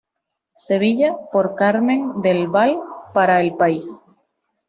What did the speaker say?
Sevilla, por "Carmen del Val" para El País.